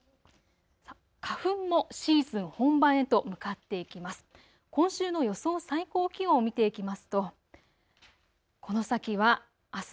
花粉もシーズン本番へと向かっていきます。